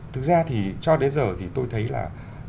thực ra thì cho đến giờ thì tôi thấy là